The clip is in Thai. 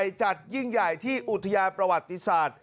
จัดยิ่งใหญ่ที่อุทยานประวัติศาสตร์